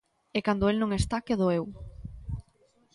E cando el non está quedo eu.